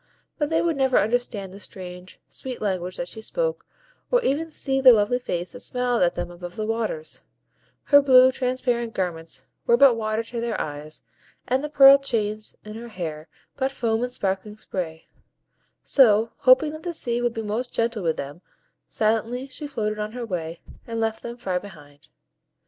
But they would never understand the strange, sweet language that she spoke, or even see the lovely face that smiled at them above the waves; her blue, transparent garments were but water to their eyes, and the pearl chains in her hair but foam and sparkling spray; so, hoping that the sea would be most gentle with them, silently she floated on her way, and left them far behind.